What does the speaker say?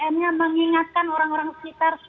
m nya mengingatkan orang orang sekitar